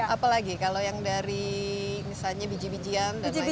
apa lagi kalau yang dari misalnya biji bijian dan lainnya